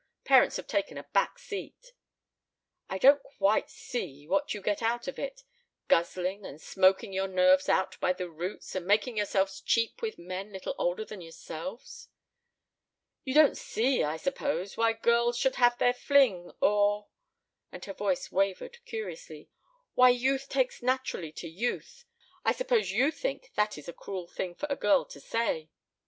Parents have taken a back seat." "I don't quite see what you get out of it guzzling, and smoking your nerves out by the roots, and making yourselves cheap with men little older than yourselves." "You don't see, I suppose, why girls should have their fling, or" her voice wavered curiously "why youth takes naturally to youth. I suppose you think that is a cruel thing for a girl to say."